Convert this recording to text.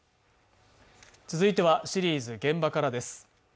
続いてはシリーズ「現場から」です。